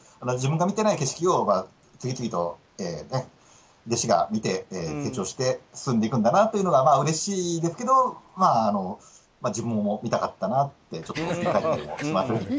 自分が見てない景色を次々と弟子が見て進んでいくんだなというのがうれしいですけど自分も見たかったなってちょっと思ったりもします。